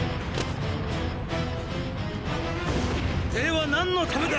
では何のためだ？